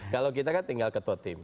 kalau kita kan tinggal ketua tim